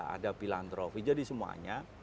ada philanthropy jadi semuanya